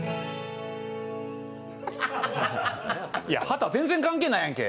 いや、旗全然関係ないやんけ！